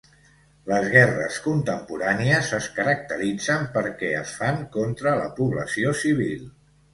Les guerres contemporànies es caracteritzen perquè es fan contra la població civil.